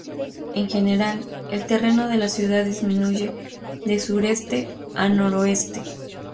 En general, el terreno de la ciudad disminuye de sureste a noroeste.